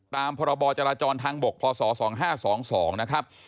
ตามพศ๒๕๒๒นะครับ